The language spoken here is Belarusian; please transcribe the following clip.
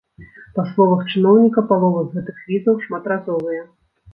Па словах чыноўніка, палова з гэтых візаў шматразовыя.